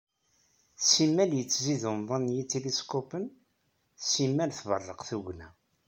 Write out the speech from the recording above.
Simmal yettzid umḍan n yitiliskupen, simmal tberreq tugna.